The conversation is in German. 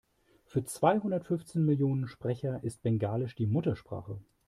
Für zweihundertfünfzehn Millionen Sprecher ist Bengalisch die Muttersprache.